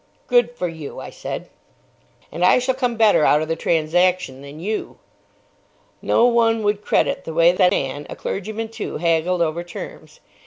"Good for you," I said. "And I shall come better out of the transaction than you." No one would credit the way that man—a clergyman, too—haggled over terms.